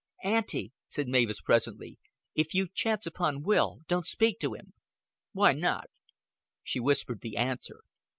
"Auntie," said Mavis presently; "if you chance upon Will, don't speak to him." "Why not?" She whispered the answer.